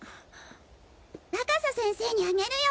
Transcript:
若狭先生にあげるよ！